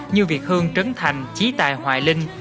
như việt hương trấn thành trí tài hoài linh